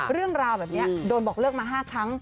เรื่องราวแบบนี้โดนบอกเลิกมา๕ครั้ง